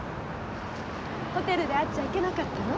ホテルで会っちゃいけなかったの？